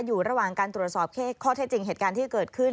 อยู่ระหว่างการตรวจสอบข้อเท็จจริงเหตุการณ์ที่เกิดขึ้น